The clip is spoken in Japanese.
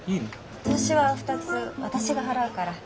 お通しは２つ私が払うから。